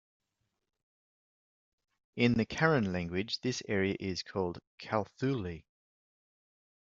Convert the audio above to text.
In the Karen language, this area is called Kawthoolei.